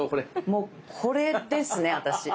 もうこれですね私！